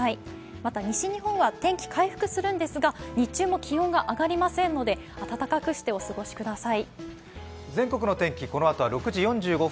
また、西日本は天気が回復するんですが、日中も気温が上がりませんので、温かくしてお過ごしください。